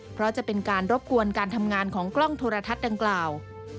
เพราะจะเป็นการรบกวนการทำงานของกล้องโทรทัศน์ดังกล่าว